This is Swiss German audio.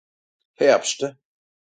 herbschte